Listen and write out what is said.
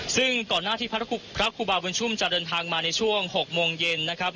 ซึ่งก่อนหน้าที่พระครูบาบุญชุมจะเดินทางมาในช่วง๖โมงเย็นนะครับ